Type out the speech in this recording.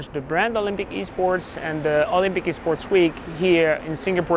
kita akan menjalankan olimpiade esports brand dan olimpiade esports week di singapura